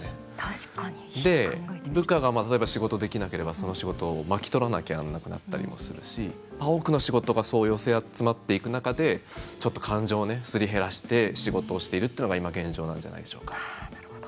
部下が仕事ができなければその仕事を巻き取らなきゃならなくなったりもするし多くの仕事が寄せ集まっていく中でちょっと感情をすり減らして仕事をしているというのが今、現状あるんじゃないでしょうか。